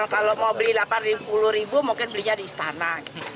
kalau mau beli delapan puluh ribu mungkin belinya di istana